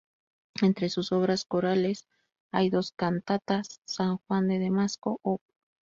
Entre sus obras corales hay dos cantatas, "San Juan de Damasco," op.